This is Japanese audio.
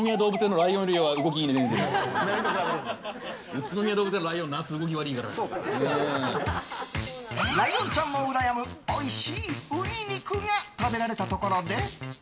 ライオンちゃんもうらやむおいしいウニ肉が食べられたところで。